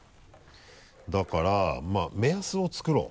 だから目安を作ろう。